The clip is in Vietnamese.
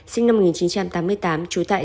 sinh năm một nghìn chín trăm tám mươi tám trú tại